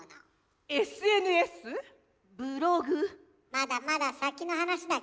まだまだ先の話だけど。